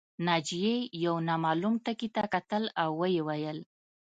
ناجیې یو نامعلوم ټکي ته کتل او ویې ویل